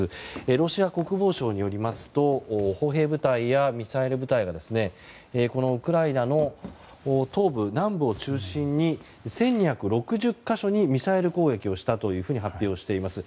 ロシア国防省によりますと歩兵部隊やミサイル部隊がこのウクライナの東部、南部を中心に１２６０か所にミサイル攻撃したと発表しています。